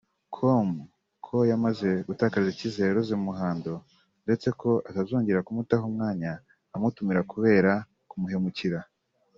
com ko yamaze gutakariza icyizere Rose Muhando ndetse ko atazongera kumutaho umwanya amutumira kubera kumuhemukira